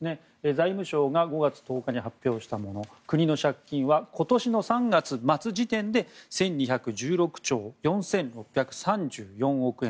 財務省が５月１０日に発表したもの国の借金は今年の３月末時点で１２１６兆４６３４億円。